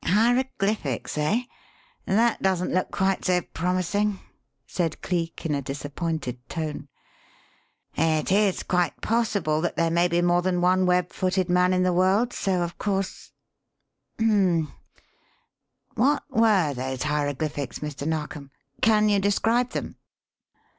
"Hieroglyphics, eh? That doesn't look quite so promising," said Cleek in a disappointed tone. "It is quite possible that there may be more than one web footed man in the world, so of course Hum m m! What were these hieroglyphics, Mr. Narkom? Can you describe them?"